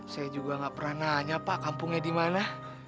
saya juga gak pernah nanya pak kampungnya di mana